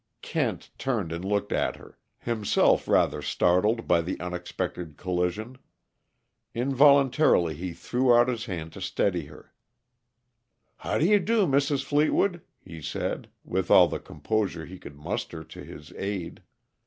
Kent turned and looked at her, himself rather startled by the unexpected collision. Involuntarily he threw out his hand to steady her. "How do you do, Mrs. Fleetwood?" he said, with all the composure he could muster to his aid.